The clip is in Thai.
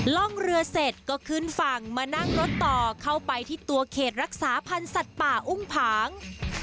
ร่องเรือเสร็จก็ขึ้นฝั่งมานั่งรถต่อเข้าไปที่ตัวเขตรักษาพันธ์สัตว์ป่าอุ้มผาง